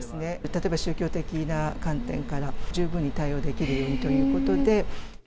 例えば宗教的な観点から、十分に対応できるようにということで。